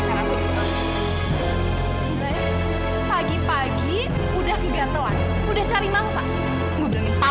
udah ya pagi pagi udah kegatelan udah cari mangsa ngundangin papa